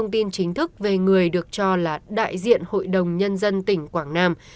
thức về người được cho là đại diện hội đồng nhân dân tỉnh quảng nam